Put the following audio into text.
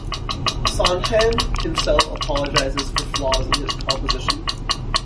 Sondheim himself apologizes for flaws in his composition.